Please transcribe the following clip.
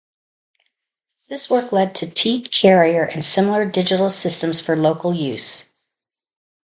This work led to T-carrier and similar digital systems for local use.